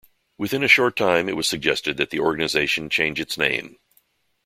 Within a short time it was suggested that the organization change its name.